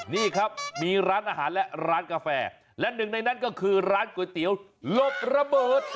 นี่ครับมีร้านอาหารและร้านกาแฟและหนึ่งในนั้นก็คือร้านก๋วยเตี๋ยวหลบระเบิด